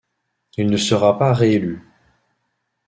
Il ne sera pas réélu.